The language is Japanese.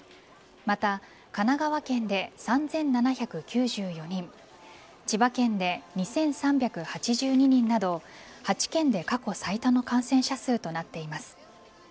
また、神奈川県で３７９４人千葉県で２３８２人など８県で過去最多の感染者数となっています。